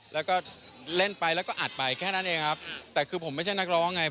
รอวันพบเจอที่ข้างรักเธอนิรันดิ์